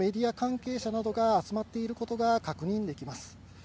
大勢のメディア関係者などが集まっていることが確認できます。